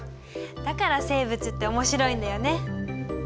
だから生物って面白いんだよね。